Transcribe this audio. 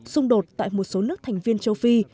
xung đột tại một số nước thành viên châu phi